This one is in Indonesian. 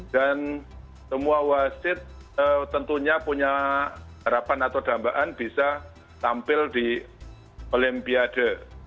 dan semua wasit tentunya punya harapan atau dambaan bisa tampil di olimpiade